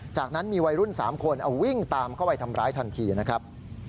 จากนั้นมีวัยรุ่น๓คนเอาวิ่งตามเข้าไปทำร้ายทันทีนะครับ